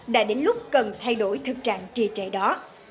đã đến lúc cần thay đổi thực trạng trì trệ đó